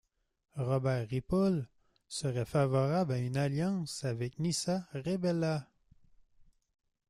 Robert Ripoll serait favorable à une alliance avec Nissa Rebela.